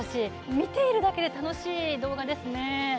見ているだけで楽しい動画ですね。